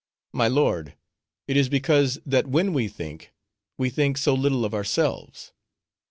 "My lord, it is because, that when we think, we think so little of ourselves."